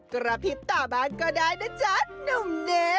กระพริบต่อบ้านก็ได้นะจ๊ะนมเนค